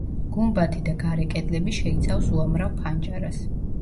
გუმბათი და გარე კედლები შეიცავს უამრავ ფანჯარას.